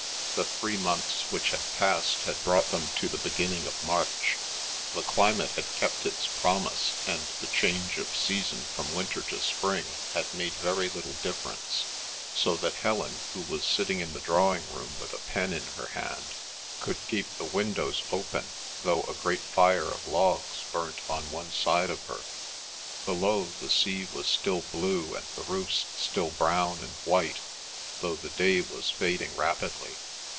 The three months which had passed had brought them to the beginning of March. The climate had kept its promise, and the change of season from winter to spring had made very little difference, so that Helen, who was sitting in the drawing room with a pen in her hand, could keep the windows open though a great fire of logs burnt on one side of her. Below, the sea was still blue and the roofs still brown and white, though the day was fading rapidly.